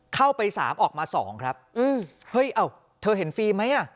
เข้าไปสามออกมาสองครับเฮ้ยอ้าวเธอเห็นฟิล์มไหมอ่ะ